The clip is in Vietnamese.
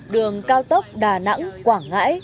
đường cao tốc đà nẵng quảng ngãi